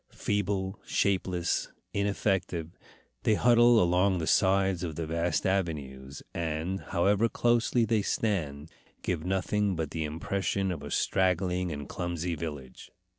Feeble, shapeless, ineffective, they huddle along the sides of the vast avenues, and, however closely they stand, give nothing but the impression of a straggling and clumsy village.